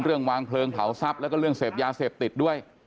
วางเพลิงเผาทรัพย์แล้วก็เรื่องเสพยาเสพติดด้วย